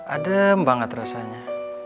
adem banget rasanya